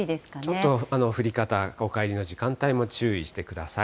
ちょっと降り方、お帰りの時間帯も注意してください。